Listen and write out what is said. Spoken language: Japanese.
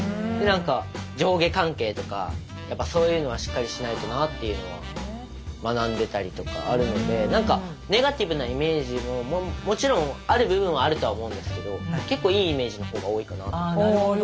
上下関係とかやっぱそういうのはしっかりしないとなっていうのは学んでたりとかあるので何かネガティブなイメージももちろんある部分はあるとは思うんですけど結構いいイメージの方が多いかなと思います。